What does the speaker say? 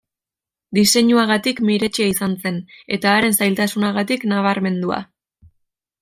Diseinuagatik miretsia izan zen eta haren zailtasunagatik nabarmendua.